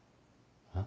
あ？